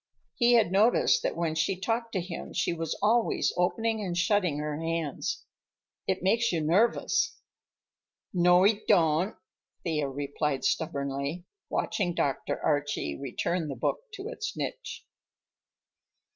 He had noticed that when she talked to him she was always opening and shutting her hands. "It makes you nervous." "No, he don't," Thea replied stubbornly, watching Dr. Archie return the book to its niche.